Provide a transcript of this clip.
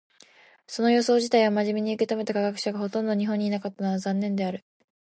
その予想自体を真面目に受け止めた科学者がほとんど日本にいなかったのは残念である。